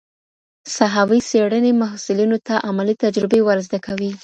ساحوي څېړني محصلینو ته عملي تجربې ور زده کوي.